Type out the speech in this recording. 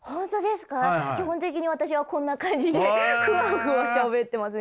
基本的に私はこんな感じでフワフワしゃべってますね。